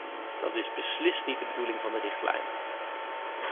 Dat is beslist niet de bedoeling van de richtlijn.